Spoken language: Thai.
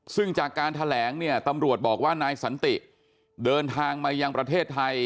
ซึ่งจากการแถลงเนี่ยตำรวจบอกว่านายสันติเดินทางมายังประเทศไทย